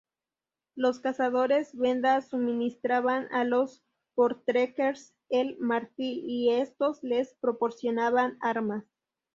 Los cazadores venda suministraban a los voortrekkers el marfil, y estos les proporcionaban armas.